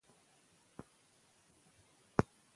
لوستې مور د ماشوم ذهني ارامتیا ساتي.